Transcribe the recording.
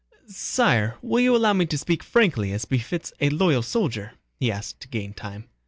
"Sire, will you allow me to speak frankly as befits a loyal soldier?" he asked to gain time.